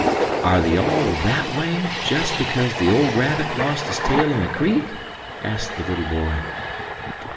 "Are they all that way just because the old Rabbit lost his tail in the creek?" asked the little boy.